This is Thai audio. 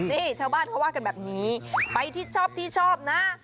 นี่ชาวบ้านเขาว่ากันแบบนี้ไปที่ชอบที่ชอบนะ